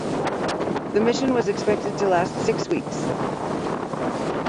The mission was expected to last six weeks.